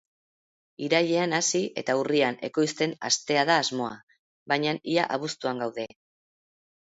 Irailean hasi eta urrian ekoizten hastea da asmoa, baina ia abuztuan gaude.